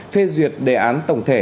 phê duyệt đề án tổng thể